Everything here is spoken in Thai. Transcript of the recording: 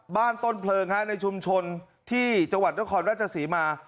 บ้านต้นเพลิงฮะในชุมชนที่จังหวัดต้นคลรัชศาสีมา